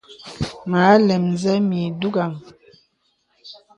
Mə alɛm zə̀ mì dùgha.